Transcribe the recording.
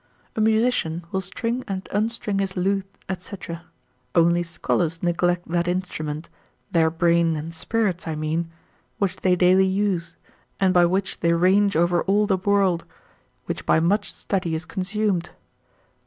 a musician will string and unstring his lute, &c. only scholars neglect that instrument, their brain and spirits (I mean) which they daily use, and by which they range overall the world, which by much study is consumed.